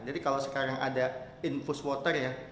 jadi kalau sekarang ada infus water ya